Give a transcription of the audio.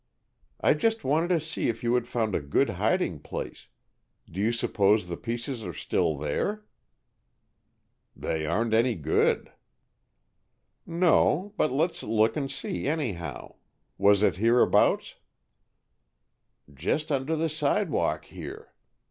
"I just wanted to see if you had found a good hiding place. Do you suppose the pieces are still there?" "They aren't any good." "No, but let's look and see, anyhow. Was it hereabouts?" "Just under the sidewalk here.